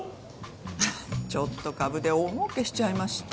ははっちょっと株で大もうけしちゃいまして。